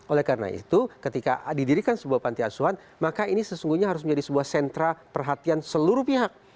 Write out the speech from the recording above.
oleh karena itu ketika didirikan sebuah panti asuhan maka ini sesungguhnya harus menjadi sebuah sentra perhatian seluruh pihak